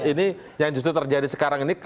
ini yang justru terjadi sekarang ini